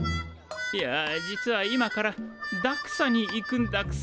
いや実は今からＤＡＸＡに行くんだくさ。